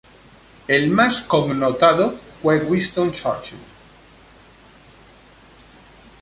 El más connotado fue Winston Churchill.